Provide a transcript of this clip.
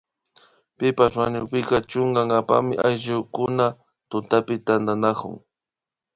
Pipash wañukpika chunkankapami ayllukuna tutapi tantanakun